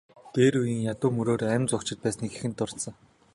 Дээр үеийн ядуу мөрөөрөө амь зуугчид байсныг эхэнд дурдсан.